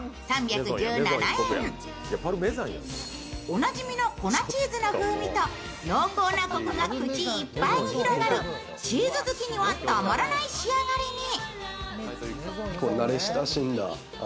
おなじみの粉チーズの風味と濃厚なコクが口いっぱいに広がるチーズ好きにはたまらない仕上がりに。